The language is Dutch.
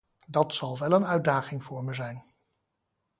Dat zal wel een uitdaging voor me zijn.